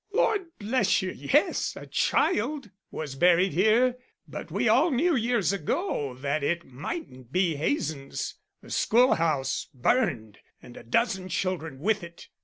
"Lord bless you, yes, a child was buried here, but we all knew years ago that it mightn't be Hazen's. The schoolhouse burned and a dozen children with it.